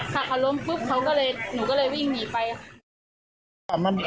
ถ้าเขาล้มปุ๊บเขาก็เลยหนูก็เลยวิ่งหนีไปค่ะ